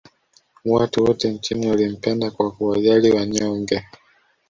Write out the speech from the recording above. Watu wote nchini walimpenda kwa kuwajali wanyonge